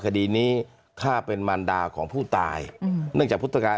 คดีนี้ข้าเป็นมารดาของผู้ตายเนื่องจากผู้ตาย